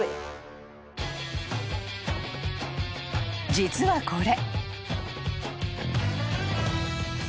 ［実はこれ］